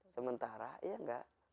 sementara ya nggak